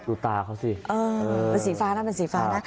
ดูตาเขาสิเป็นสีฟ้านะ